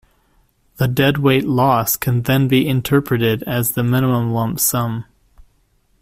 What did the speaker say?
The deadweight loss can then be interpreted as the minimum lump sum.